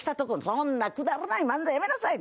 「そんなくだらない漫才やめなさい」。